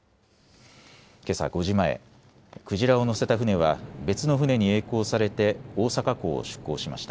けさ５時前、クジラを載せた船は別の船にえい航されて大阪港を出港しました。